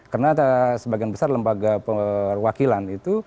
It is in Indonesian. karena sebagian besar lembaga perwakilan itu